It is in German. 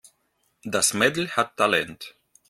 Das Mädel hat Talent.